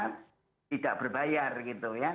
tidak berbayar gitu ya